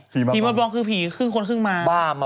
ผีมาบองคือผีครึ่งคนครึ่งมาบ้ามา